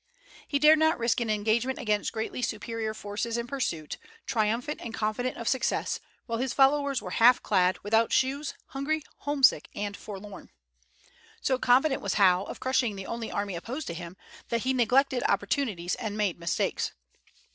He dared not risk an engagement against greatly superior forces in pursuit, triumphant and confident of success, while his followers were half clad, without shoes, hungry, homesick, and forlorn. So confident was Howe of crushing the only army opposed to him, that he neglected opportunities and made mistakes.